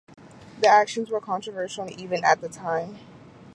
The actions were controversial even at the time.